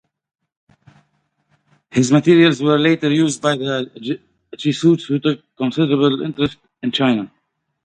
His materials were later used by the Jesuits, who took considerable interest in China.